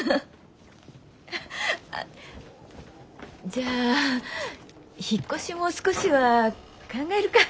じゃあ引っ越しも少しは考えるか。